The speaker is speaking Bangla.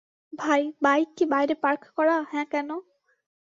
ভাই, বাইক কি বাইরে পার্ক করা হ্যাঁ কেন?